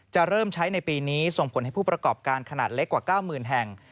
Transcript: จะเริ่มใช้ในปีนี้ส่งผลให้ผู้ประกอบการขนาดเล็กกว่า๙๐๐แห่ง